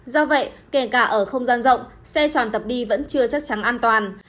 do vậy kể cả ở không gian rộng xe tròn tập đi vẫn chưa chắc chắn an toàn